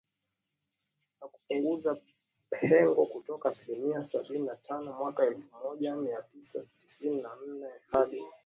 na kupunguza pengo kutoka asilimia sabini na tano mwaka elfu moja mia tisa tisini na nne hadi